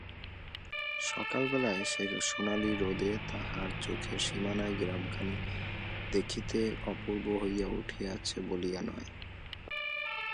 সকালবেলার সোনালি রোদে তাহার চোখের সীমানার গ্রামখানি দেখিতে অপূর্ব হইয়া উঠিয়াছে বলিয়া নয়।